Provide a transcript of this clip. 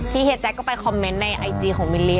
เฮียแจ๊กก็ไปคอมเมนต์ในไอจีของมิลลี่